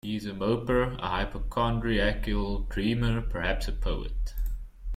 He is a moper, a hypochondriacal dreamer, perhaps a poet.